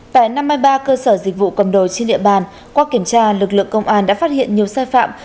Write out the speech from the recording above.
tại năm mươi ba cơ sở dịch vụ cầm đồ trên địa bàn qua kiểm tra lực lượng công an đã phát hiện nhiều sai phạm